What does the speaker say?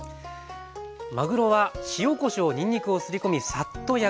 まぐろは塩こしょうにんにくをすり込みサッと焼くだけでした。